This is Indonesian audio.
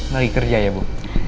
lagi kerja ya bu